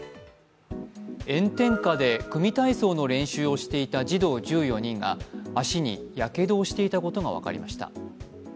炎天下で組体操の練習をしていた児童１４人が足にやけどをしていたことが分かりました。